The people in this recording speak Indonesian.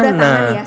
ya sudah tangan ya